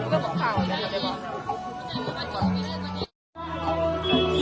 ถึงอนาคต